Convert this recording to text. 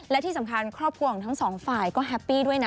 และที่สำคัญครอบครัวของทั้งสองฝ่ายก็แฮปปี้ด้วยนะ